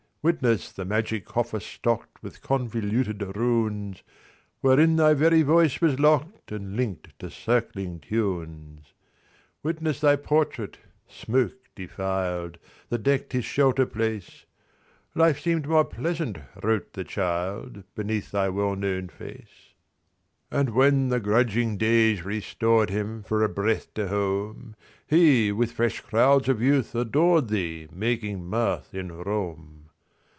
Witness the magic coffer stockedWith convoluted runesWherein thy very voice was lockedAnd linked to circling tunes. Witness thy portrait, smoke defiled, That decked his shelter place. Life seemed more present, wrote the child, Beneath thy well known face. And when the grudging days restoredHim for a breath to home, He, with fresh crowds of youth, adoredThee making mirth in Rome.